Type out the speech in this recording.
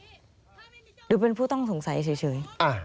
หรือเป็นผู้ต้องสงสัยเฉย